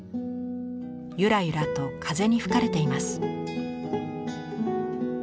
ゆらゆらと風に吹かれています。